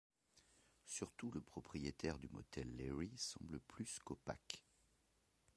Surtout le propriétaire du motel Larry semble plus qu'opaque.